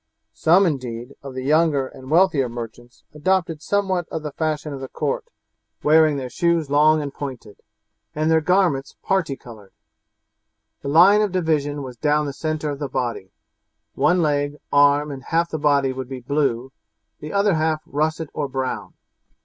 Some, indeed, of the younger and wealthier merchants adopted somewhat of the fashion of the court, wearing their shoes long and pointed, and their garments parti coloured. The line of division was down the centre of the body; one leg, arm, and half the body would be blue, the other half russet or brown.